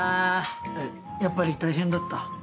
えっやっぱり大変だった？